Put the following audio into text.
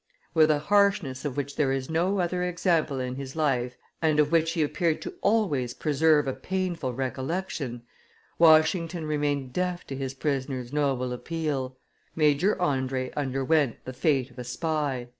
With a harshness of which there is no other example in his life, and of which he appeared to always preserve a painful recollection, Washington remained deaf to his prisoner's noble appeal: Major Andre underwent the fate of a spy.